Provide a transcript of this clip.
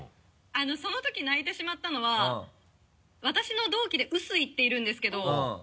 その時泣いてしまったのは私の同期で臼井っているんですけど。